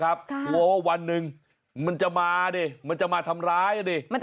กลัวว่าวันหนึ่งมันจะมาดิมันจะมาทำร้ายอ่ะดิ